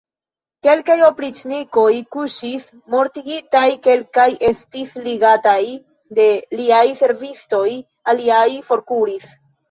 Kelkaj opriĉnikoj kuŝis mortigitaj, kelkaj estis ligataj de liaj servistoj, aliaj forkuris.